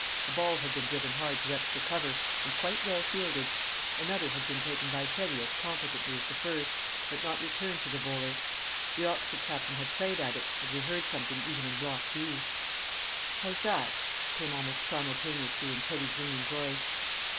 A ball had been driven hard to extra cover, and quite well fielded; another had been taken by Teddy as competently as the first, but not returned to the bowler. The Oxford captain had played at it, and we heard something even in Block B. "How's that?" came almost simultaneously in Teddy's ringing voice.